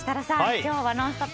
今日は「ノンストップ！」